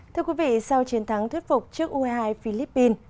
thưa quý vị sau chiến thắng thuyết phục trước ue hai philippines